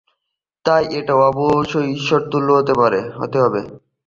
তাই, এটা অবশ্যই ঈশ্বরতুল্য হতে হবে।